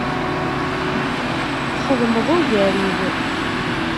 Txedmeḍ ugar-iw.